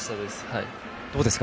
どうですか？